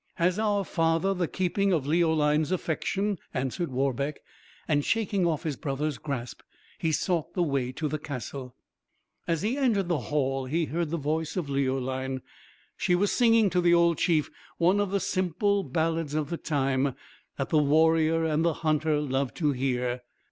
has our father the keeping of Leoline's affection?" answered Warbeck; and shaking off his brother's grasp, he sought the way to the castle. As he entered the hall he heard the voice of Leoline; she was singing to the old chief one of the simple ballads of the time, that the warrior and the hunter loved to hear.